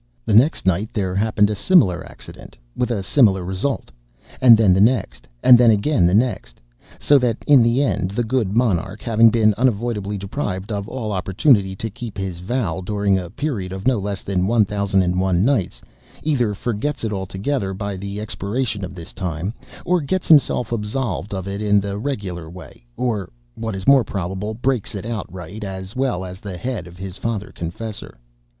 The next night there happened a similar accident with a similar result; and then the next—and then again the next; so that, in the end, the good monarch, having been unavoidably deprived of all opportunity to keep his vow during a period of no less than one thousand and one nights, either forgets it altogether by the expiration of this time, or gets himself absolved of it in the regular way, or (what is more probable) breaks it outright, as well as the head of his father confessor.